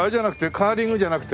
カーリングじゃなくて？